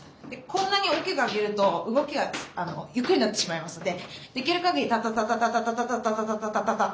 こんなに大きく上げると動きがゆっくりになってしまいますのでできるかぎりタタタタタタタタ。